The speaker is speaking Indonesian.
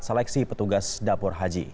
seleksi petugas dapur haji